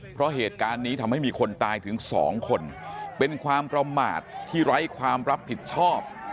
เพราะเหตุการณ์นี้ทำให้มีคนตายถึงสองคนเป็นความประมาทที่ไร้ความรับผิดชอบ